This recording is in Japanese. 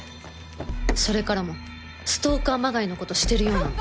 それからもストーカーまがいの事してるようなの。